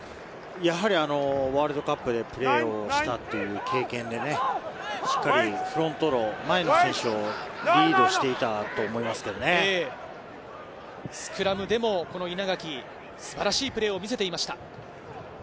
やはりワールドカップでプレーをしたという経験で、しっかりフロントロー、前の選手をリードしていたと思いますけどスクラムでも稲垣、素晴らしいプレーを見せていました。